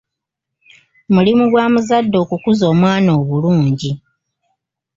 Mulimu gwa muzadde okukuza omwana obulungi